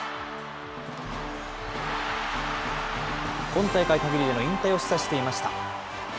今大会かぎりでの引退を示唆していました。